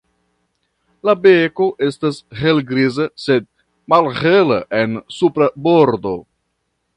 La beko estas helgriza, sed malhela en supra bordo.